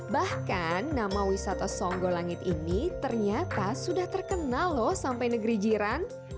bahkan nama wisata songgolangit ini ternyata sudah terkenal loh sampai negeri jiran